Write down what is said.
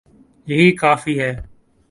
یہی کافی ہے۔